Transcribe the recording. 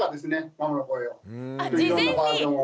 ママの声をいろんなバージョンを。